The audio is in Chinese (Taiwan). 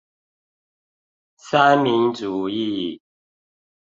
三民主義